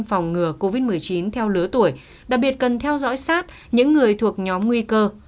phòng ngừa covid một mươi chín theo lứa tuổi đặc biệt cần theo dõi sát những người thuộc nhóm nguy cơ